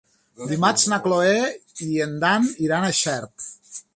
Dimarts na Cloè i en Dan iran a Xert.